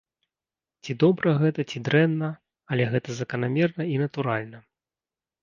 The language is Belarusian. Ці добра гэта, ці дрэнна, але гэта заканамерна і натуральна.